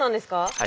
はい。